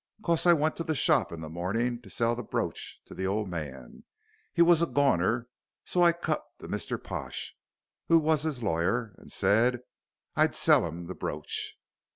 "'Cause I went to the shorp in th' mornin' to sell the brooch to th' ole man. He was a goner, so I cut to Mr. Pash, as wos his lawyer, and said I'd sell 'im the brooch."